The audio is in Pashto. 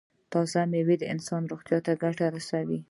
تازه میوه د انسان روغتیا ته ګټه رسوي.